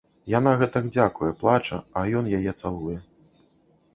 Яна гэтак дзякуе, плача, а ён яе цалуе.